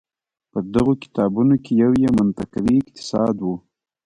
په دغو کتابونو کې یو یې منطقوي اقتصاد و.